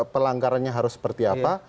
pelanggarannya harus seperti apa